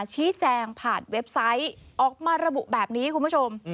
ชี้แจงผ่านเว็บไซต์ออกมาระบุแบบนี้คุณผู้ชม